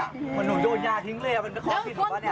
เหมือนหนูโดนยาทิ้งเลยมันเป็นข้อผิดถูกป่ะเนี่ย